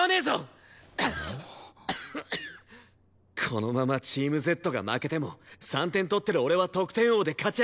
このままチームＺが負けても３点取ってる俺は得点王で勝ち上がれる。